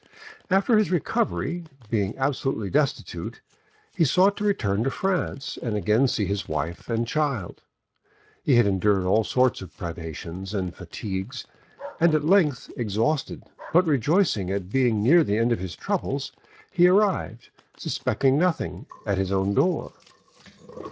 After his recovery, being absolutely destitute, he sought to return to France and again see his wife and child: he had endured all sorts of privations and fatigues, and at length, exhausted, but rejoicing at being near the end of his troubles, he arrived, suspecting nothing, at his own door.